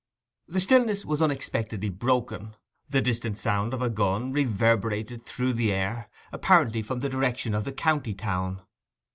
The stillness was unexpectedly broken. The distant sound of a gun reverberated through the air—apparently from the direction of the county town.